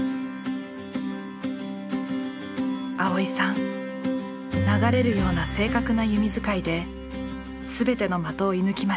蒼依さん流れるような正確な弓づかいで全ての的を射ぬきました。